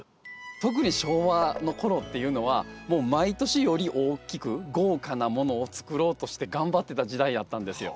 特に昭和の頃っていうのはもう毎年より大きく豪華なものを作ろうとして頑張ってた時代やったんですよ。